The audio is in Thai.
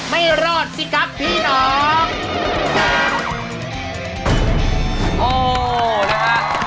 ไม่รอดสิครับพี่หนอ